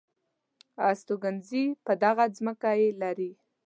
استوګنځي چې په دغه ځمکه یې لرئ .